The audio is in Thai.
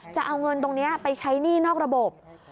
จะเอาเงินตรงนี้ไปใช้หนี้นอกระบบ